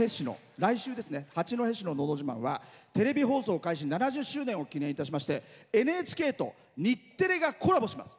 八戸市の「のど自慢」はテレビ放送開始７０周年を記念しましてＮＨＫと日テレがコラボします。